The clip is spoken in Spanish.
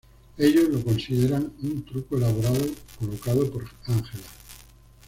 Ellos lo consideran un truco elaborado colocado por Angela.